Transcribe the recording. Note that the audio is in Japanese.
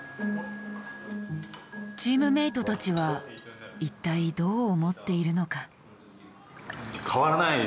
チームメートたちは一体どう思っているのか？